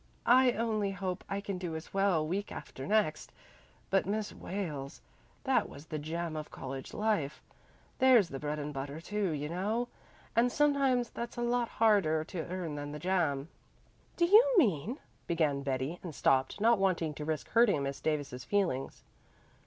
"I only hope I can do as well week after next. But Miss Wales, that was the jam of college life. There's the bread and butter too, you know, and sometimes that's a lot harder to earn than the jam." "Do you mean " began Betty and stopped, not wanting to risk hurting Miss Davis's feelings.